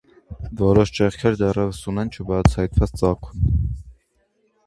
Որոշ ճեղքեր դեռևս ունեն չբացահայտված ծագում։